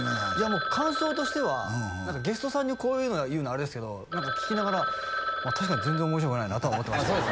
感想としてはゲストさんにこう言うのあれですけど何か聞きながら確かに全然面白くないなとは思ってました